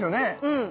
うん。